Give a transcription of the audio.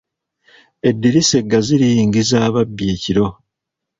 Eddirisa eggazi liyingiza ababbi ekiro.